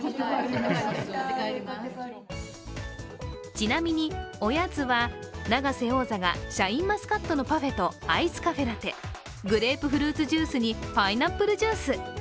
ちなみにおやつは、永瀬王座がシャインマスカットのパフェとアイスカフェラテグレープフルーツジュースにパイナップルジュース。